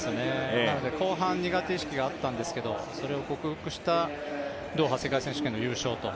後半、苦手意識があったんですけどそれを克服したドーハ世界選手権での優勝と。